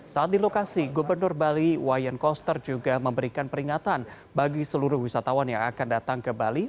saat di lokasi gubernur bali wayan koster juga memberikan peringatan bagi seluruh wisatawan yang akan datang ke bali